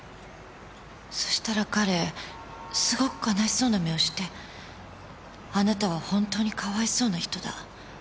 そしたら彼すごく悲しそうな目をしてあなたは本当にかわいそうな人だ。